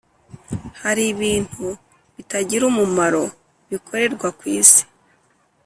Hari ibintu bitagira umumaro bikorerwa ku isi